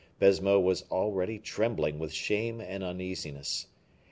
Baisemeaux was already trembling with shame and uneasiness.